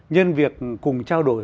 nhân việc cùng trao đổi